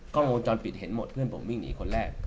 กล้องวงจรปิดเห็นหมดเพื่อนผมวิ่งหนีคนแรก